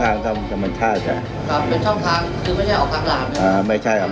เราต้องให้ภูมิชาเบิกต้นก็เป็นวินานะครับ